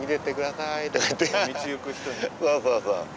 そうそうそう。